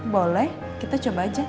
boleh kita coba aja